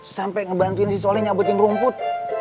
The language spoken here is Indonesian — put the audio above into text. sampai ngebantuin soleh nyabutin rumput